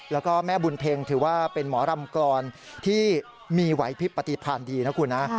แล้วก็แม่บุญเพ็งถือว่าเป็นหมอรำกรอนที่มีไหวพิษปฏิพันธ์ดีนะคุณนะ